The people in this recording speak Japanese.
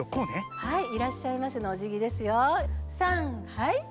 はい。